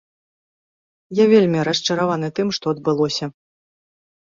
Я вельмі расчараваны тым, што адбылося.